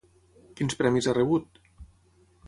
Quins premis ha rebut?